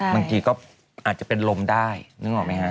บางทีก็อาจจะเป็นลมได้นึกออกไหมฮะ